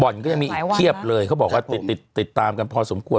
บ่อนก็ยังมีอีกเทียบเลยเขาบอกว่าติดตามกันพอสมควร